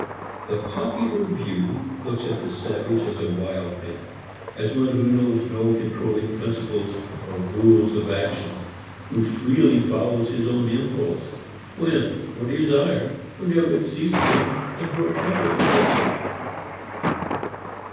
The popular view looks at the savage as a wild man; as one who knows no controlling principles or rules of action, who freely follows his own impulse, whim or desire whenever it seizes him and wherever it takes him.